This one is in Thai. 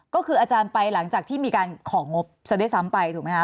ก็คืออาจารย์ไปหลังจากที่มีการของงบซะด้วยซ้ำไปถูกไหมคะ